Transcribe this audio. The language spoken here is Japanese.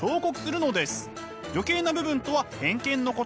余計な部分とは偏見のこと。